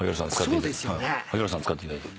萩原さん使っていただいて。